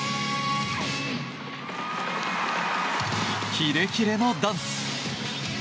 キレキレのダンス！